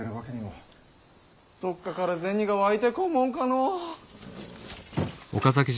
どっかから銭が湧いてこんもんかのう！